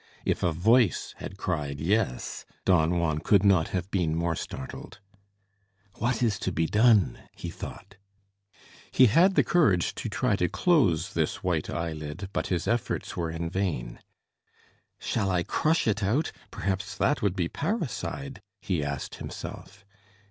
If a voice had cried, "Yes," Don Juan could not have been more startled. "What is to be done?" he thought He had the courage to try to close this white eyelid, but his efforts were in vain. "Shall I crush it out? Perhaps that would be parricide?" he asked himself.